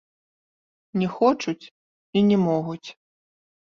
Не хочуць і не могуць.